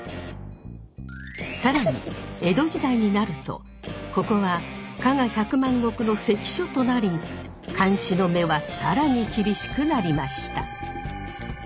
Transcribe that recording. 更に江戸時代になるとここは加賀百万石の関所となり監視の目は更に厳しくなりました。